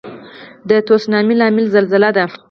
د تسونامي لامل زلزله ده.